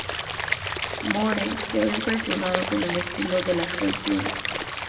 Moore quedó impresionado con el estilo de las canciones.